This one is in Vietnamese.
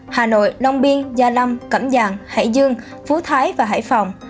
hà nội long biên gia lâm cẩm giàng hải dương phú thái và hải phòng